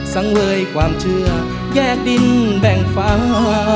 สังเวยความเชื่อแยกดินแบ่งฟ้า